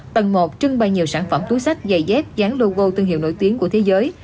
tầng một trưng bày nhiều sản phẩm túi sách giày dép dán logo thương hiệu nổi tiếng của thế giới